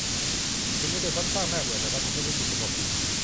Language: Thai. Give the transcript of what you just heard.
ถึงมันจะซ้ำซากน่าเบื่อแต่ก็ทำให้รู้สึกสงบดี